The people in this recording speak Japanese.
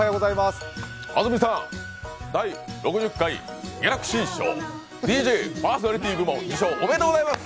安住さん、第６０回ギャラクシー賞ＤＪ・パーソナリティー部門受賞おめでとうございます！